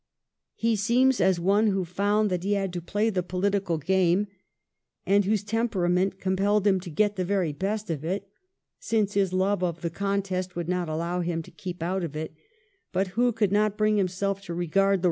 He seems as one who found that he had to play the political game, and whose temperament compelled him to get the very best of it — since his love of the contest would not allow him to keep out of it— but who could not bring himself to regard the 1714 THE KULES OF THE GAME.